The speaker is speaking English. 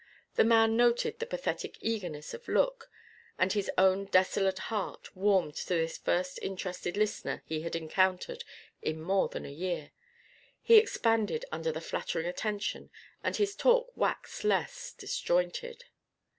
The man noted the pathetic eagerness of look, and his own desolate heart warmed to this first interested listener he had encountered in more than a year. He expanded under the flattering attention, and his talk waxed less disjointed.